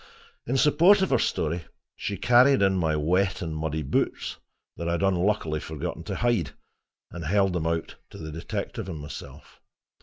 In support of her story she carried in my wet and muddy boots, that I had unluckily forgotten to hide, and held them out to the detective and myself.